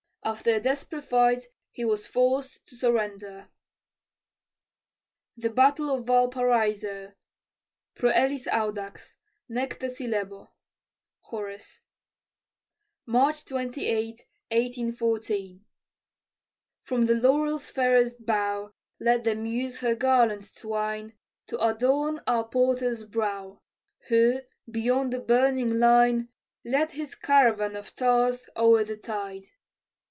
After a desperate fight, he was forced to surrender. THE BATTLE OF VALPARAISO Proeliis audax, neque te silebo. HOR. [March 28, 1814] From the laurel's fairest bough, Let the muse her garland twine, To adorn our Porter's brow, Who, beyond the burning line, Led his caravan of tars o'er the tide.